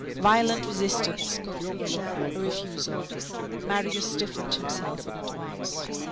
Violent resistance; conclusion: a refusal. Marius stiffened himself in advance.